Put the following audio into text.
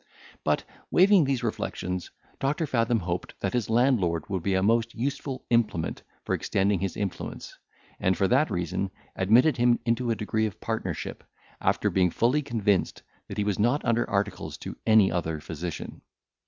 But, waiving these reflections, Doctor Fathom hoped, that his landlord would be a most useful implement for extending his influence, and, for that reason, admitted him into a degree of partnership, after being fully convinced that he was not under articles to any other physician.